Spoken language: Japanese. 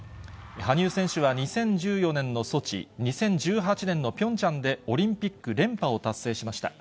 羽生選手は２０１４年のソチ、２０１８年のピョンチャンで、オリンピック連覇を達成しました。